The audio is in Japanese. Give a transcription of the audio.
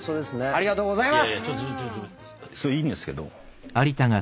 ありがとうございます！